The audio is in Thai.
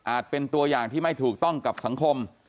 เป็นตัวอย่างที่ไม่ถูกต้องกับสังคม